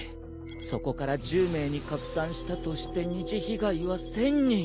そこから１０名に拡散したとして二次被害は１，０００人。